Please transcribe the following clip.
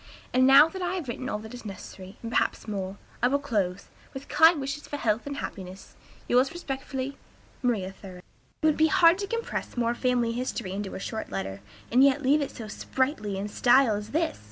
And now that I have written all that is necessary, and perhaps more, I will close, with kind wishes for health and happiness. Yours respectfully, "MARIA THOREAU." It would be hard to compress more family history into a short letter, and yet leave it so sprightly in style as this.